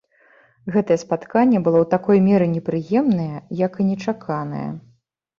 Гэтае спатканне было ў такой меры непрыемнае, як і нечаканае.